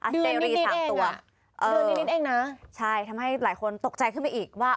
ดื่นนิดเองอ่ะดื่นนิดเองนะใช่ทำให้หลายคนตกใจขึ้นไปอีกว่า